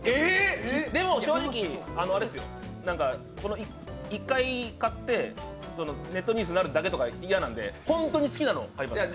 でも、正直、１回買ってネットニュースになるだけとかは嫌なので、本当に好きなのを買います。